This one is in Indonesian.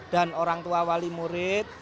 dan orang tua wali murid